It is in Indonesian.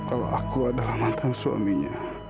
kalau aku adalah mantan suaminya